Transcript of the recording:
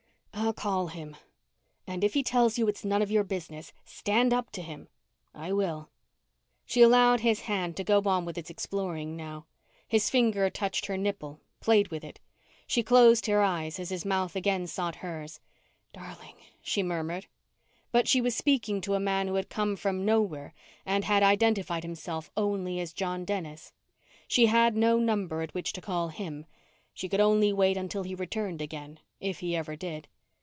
"I'll call him." "And if he tells you it's none of your business, stand up to him." "I will." She allowed his hand to go on with its exploring now. His finger touched her nipple, played with it. She closed her eyes as his mouth again sought hers. "Darling ..." she murmured. But she was speaking to a man who had come from nowhere and had identified himself only as John Dennis. She had no number at which to call him. She could only wait until he returned again, if he ever did.